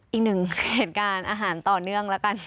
อีกหนึ่งเหตุการณ์อาหารต่อเนื่องแล้วกัน